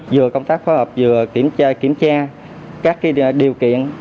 vừa công tác phó hợp vừa kiểm tra các điều kiện